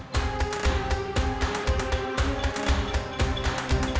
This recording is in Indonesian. hati hati kalau bicara